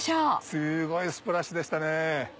すごいスプラッシュでしたね。